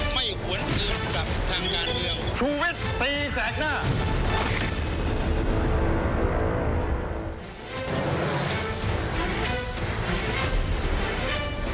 ไม่หวนเงินกับทางงานเดียว